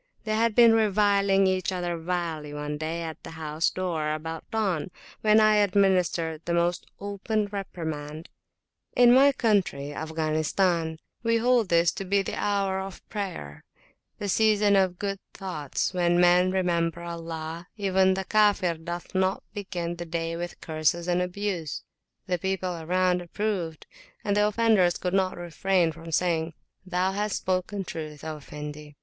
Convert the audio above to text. They had been reviling each other vilely one day at the house door about dawn, when I administered the most open reprimand: In my country (Afghanistan) we hold this to be the hour of prayer, the season of good thoughts, when men remember Allah; even the Kafir doth not begin the day with curses and abuse. The people around approved, and the offenders could not refrain from saying, Thou hast spoken truth, O Effendi!